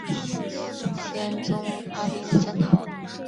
宪宗发兵征讨。